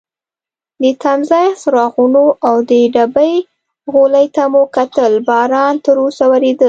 د تمځای څراغونو او د ډبې غولي ته مو کتل، باران تراوسه وریده.